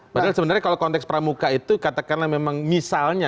padahal sebenarnya kalau konteks pramuka itu katakanlah memang misalnya